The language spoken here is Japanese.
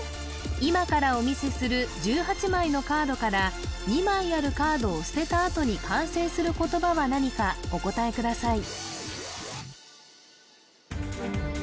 今からお見せする１８枚のカードから２枚あるカードを捨てたあとに完成する言葉は何かお答えください